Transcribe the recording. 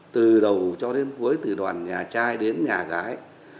từ đầu cho đến cuối từ đoàn nhà trai đến nhà gái